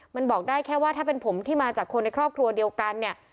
มันบอกได้แค่ว่าถ้าเป็นผมที่มาจากคนในครอบครัวเดียวกันเนี่ย